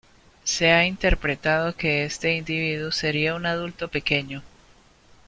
Se ha interpretado que este individuo sería un adulto pequeño.